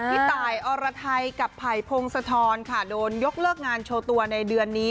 พี่ตายอรไทยกับไผ่พงศธรค่ะโดนยกเลิกงานโชว์ตัวในเดือนนี้